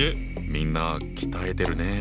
みんな鍛えてるね。